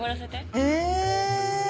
え。